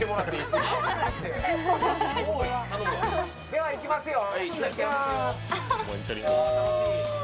では行きますよ。